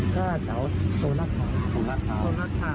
ก็จะเอาโซลัทขาว